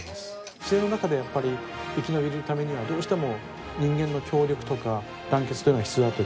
自然の中でやっぱり生き延びるためにはどうしても人間の協力とか団結というのが必要だということですね。